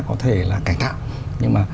có thể là cải tạo nhưng mà